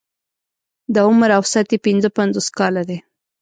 د عمر اوسط يې پنځه پنځوس کاله دی.